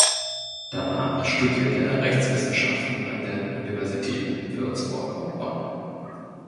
Danach studierte er Rechtswissenschaften an den Universitäten Würzburg und Bonn.